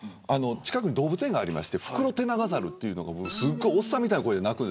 近くに動物園がありましてフクロテナガザルというのがおっさんみたいな声で鳴く。